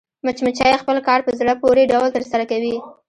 مچمچۍ خپل کار په زړه پورې ډول ترسره کوي